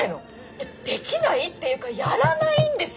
えっできないっていうかやらないんです！